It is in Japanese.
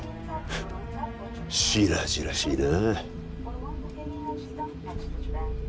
フッ白々しいな